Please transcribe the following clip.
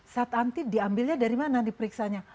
saat anti diambilnya dari mana diperiksanya